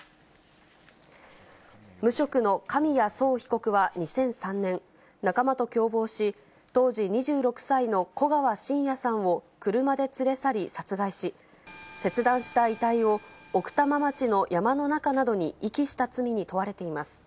無職の紙谷惣被告は２００３年、仲間と共謀し、当時２６歳の古川信也さんを車で連れ去り、殺害し、切断した遺体を、奥多摩町の山の中などに遺棄した罪に問われています。